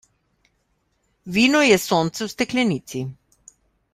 Vino je sonce v steklenici.